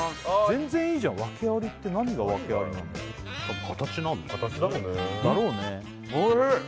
全然いいじゃん訳ありって何が訳ありなの形だよねうん！